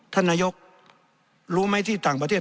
ท่านนายกรู้ไหมที่ต่างประเทศ